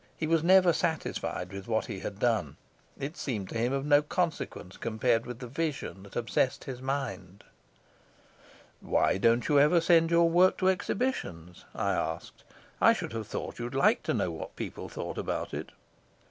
He was never satisfied with what he had done; it seemed to him of no consequence compared with the vision that obsessed his mind. "Why don't you ever send your work to exhibitions?" I asked. "I should have thought you'd like to know what people thought about it."